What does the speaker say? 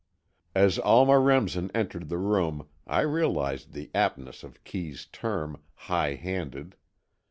As Alma Remsen entered the room, I realized the aptness of Kee's term, high handed.